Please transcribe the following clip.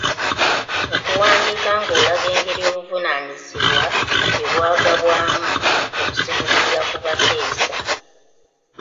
Okuwandiika ng’olaga engeri obuvunaanyizibwa gye bwagabwamu okusinziira ku bateesa.